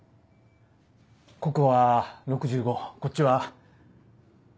ここは６５こっちは。